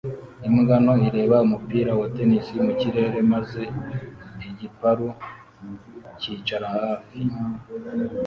Imbwa nto ireba umupira wa tennis mu kirere maze igiparu cyicara hafi